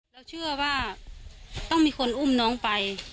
เราเชื่อว่าต้องมีคนอุ้มน้องไป